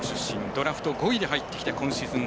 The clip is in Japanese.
ドラフト５位で入ってきて今シーズン